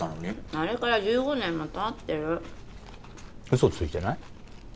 あれから１５年もたってる嘘ついてない？